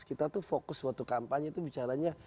kita tuh fokus waktu kampanye itu bicaranya